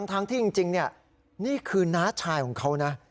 ทั้งที่จริงนี่คือน้าชายของเขานะ